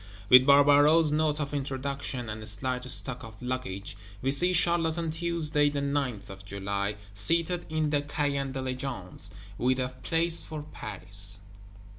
With Barbaroux's Note of Introduction, and slight stock of luggage, we see Charlotte on Tuesday the 9th of July seated in the Caen Diligence, with a place for Paris.